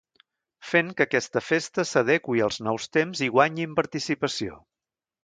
Fent que aquesta festa s'adeqüi als nous temps i guanyi en participació.